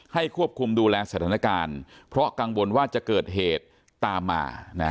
ควบคุมดูแลสถานการณ์เพราะกังวลว่าจะเกิดเหตุตามมา